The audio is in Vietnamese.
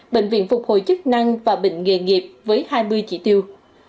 bệnh viện phục hồi chức năng và bệnh nghề nghiệp với hai mươi chỉ tiêu